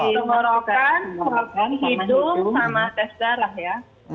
tenggorokan hidung sama tes darah ya